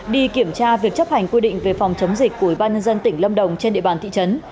đi kiểm tra việc chấp hành quy định về phòng chống dịch của ủy ban nhân dân tỉnh lâm đồng trên địa bàn thị trấn